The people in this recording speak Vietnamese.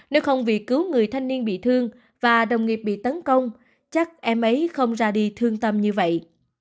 nếu không vì cứu người thanh niên bị thương và đồng nghiệp bị tấn công chắc em ấy không ra đi thương tâm như vậy